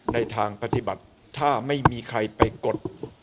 ในทางปฏิบัติถ้าไม่มีใครไปกด